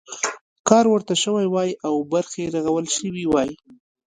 کار ورته شوی وای او برخې رغول شوي وای.